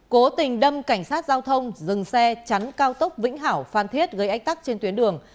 cố tình đâm cảnh sát giao thông dừng xe chắn cao tốc vĩnh hảo phan thiết gây ách tắc trên tuyến đường